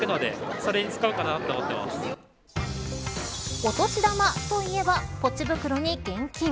お年玉といえばぽち袋に現金。